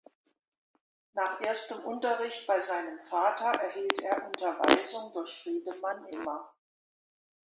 Nach erstem Unterricht bei seinem Vater erhielt er Unterweisung durch Friedemann Immer.